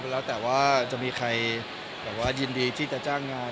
ไม่ไอ้รอครับน่าจะมีใครมีจิตแจ้งงาน